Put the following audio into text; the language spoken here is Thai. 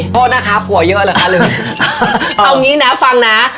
โทษนะครับผัวเยอะเหรอคะเรื่องเอางี้น่ะฟังน้า